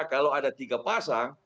kalau ada tiga pasang